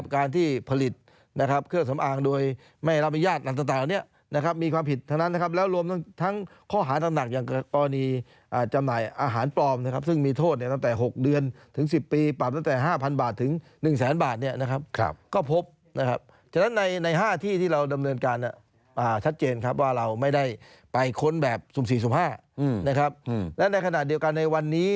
การที่ผลิตเครื่องสำอางโดยไม่รับอนุญาตหลักต่อเนี่ยมีความผิดทั้งนั้นนะครับแล้วรวมทั้งข้อหารักอย่างกรกรณีจำหน่ายอาหารปลอมซึ่งมีโทษตั้งแต่๖เดือนถึง๑๐ปีปรับตั้งแต่๕๐๐๐บาทถึง๑๐๐๐๐๐บาทนะครับก็พบนะครับใน๕ที่ที่เรานำเนินการนะชัดเจนครับว่าเราไม่ได้ไปค้นแบบสุ่ม๔สุ่ม๕นะครับ